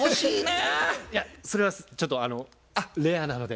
いやそれはちょっとレアなので。